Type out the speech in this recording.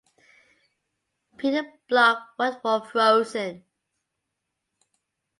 Peter Block worked for Frozen.